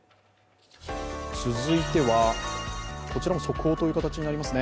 続いては、こちらも速報という形になりますね。